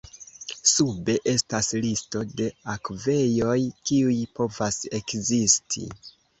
Sube estas listo de akvejoj, kiuj povas ekzisti.